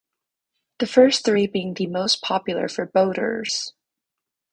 The first three being the most popular for boaters.